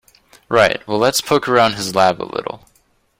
Right, well let's poke around his lab a little.